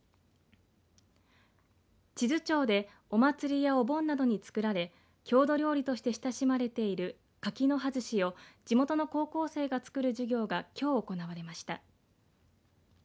智頭町でお祭りやお盆などに作られ郷土料理として親しまれている柿の葉寿司を地元の高校生が作る授業がきょう行われました。